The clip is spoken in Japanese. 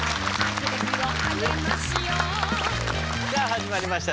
さあ始まりました